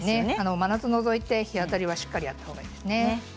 真夏を除いて日当たりはしっかりやったほうがいいですね。